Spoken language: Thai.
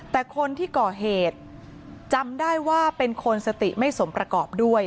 แต่คนที่ก่อเหตุจำได้ว่าเป็นคนสติไม่สมประกอบด้วย